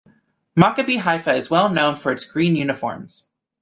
Maccabi Haifa is well known for its green uniforms.